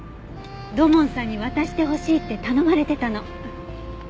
土門さんに渡してほしいって頼まれてたの。